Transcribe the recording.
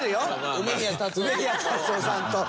梅宮辰夫さんと。